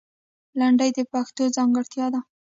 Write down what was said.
لندۍ د پښتو ځانګړتیا ده